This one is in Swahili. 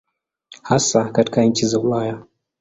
Hasa katika nchi za Ulaya.